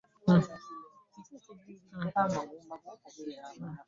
Nze ndeka, naawe wano tuli mu bantu.